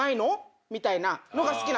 みたいなのが好きなんですよ。